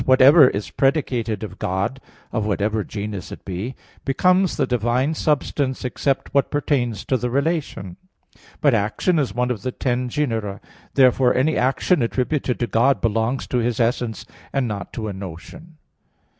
"Whatever is predicated of God, of whatever genus it be, becomes the divine substance, except what pertains to the relation." But action is one of the ten genera. Therefore any action attributed to God belongs to His essence, and not to a notion.